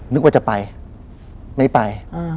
นึกว่าจะไปไม่ไป